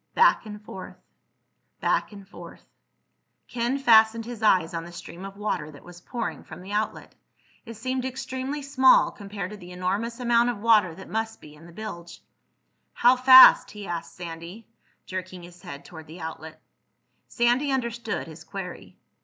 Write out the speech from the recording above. Back and forth ... back and forth.... Ken fastened his eyes on the stream of water that was pouring from the outlet. It seemed extremely small compared to the enormous amount of water that must be in the bilge. "How fast?" he asked Sandy, jerking his head toward the outlet. Sandy understood his query.